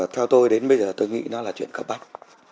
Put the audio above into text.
theo tôi đến bây giờ tôi nghĩ nó là chuyện cơ bách